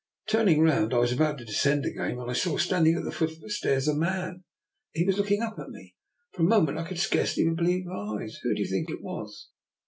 Turning round, I was about to descend again, when I saw, standing at the foot of the stairs, a man. He was looking up at me. For a moment I could scarcely believe my eyes. Who do you think it was?